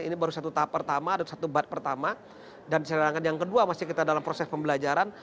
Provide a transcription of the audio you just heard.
ini baru satu tahap pertama ada satu bat pertama dan sedangkan yang kedua masih kita dalam proses pembelajaran